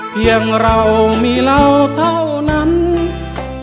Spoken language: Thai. เพียงเรามีเราเท่านั้น